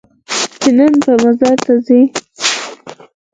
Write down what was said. چې نن به مزار ته ځې؟